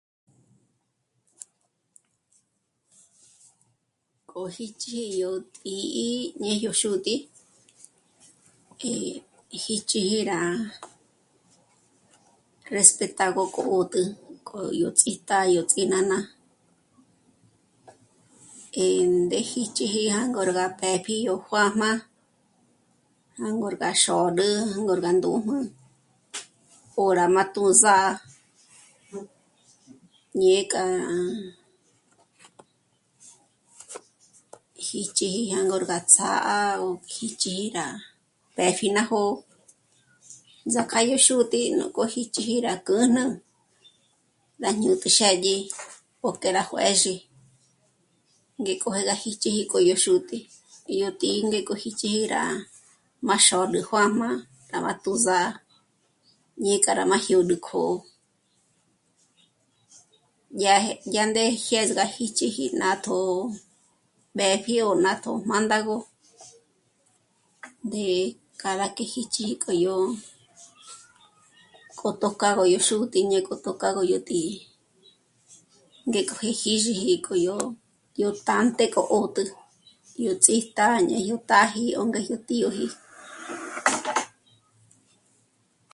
K'o jíchiji yó tǐ'i ñejyo xútǐ'i, eh... xíchíji rá réspetago k'ôt'ü k'o yó ts'ǐtá'a, yó ts'ínána, e ndé jíchiji rá ngórga pë́pji yó juā̌jmā, jângorga xō̌rü, jângorga ndùjmü, o rá má tú' zà'a, ñe k'a jíchiji jângorgá tsjá'a ó jíchiji rá pë́pji ná jó'o. Ts'ak'a yó xútǐ'i núk'o jíchiji rá kǚjnü rá jñút'i xë́dyi po k'e rá 'juë̌zhi ngék'o gá jíchiji k'o yó xútǐ'i, í yó tǐ'i ngék'o jíchiji rá má xôrü juā̌jmā gá má tú' zà'a ñe k'a rá má jiód'ü k'ó'o, yá jè, ya ndé jiès' gá jíchiji ná tjó'o b'ë́pji ó ná tjó'o mándago ndé k'a rá k'e jíchiji k'o yó, k'otjo k'a gó xútǐ'i ñe k'otjo k'a gó yó tǐ'i, ngék'oji jízhiji k'o yó tá'ate k'o 'ótü. Yo ts'ítá'a ñéjyo táji ó ngéjyo tíoji